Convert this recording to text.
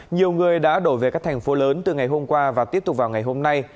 nhiều người đã đổ về các thành phố lớn từ ngày hôm qua và tiếp tục vào ngày hôm nay